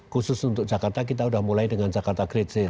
khusus untuk jakarta kita sudah mulai dengan jakarta great sale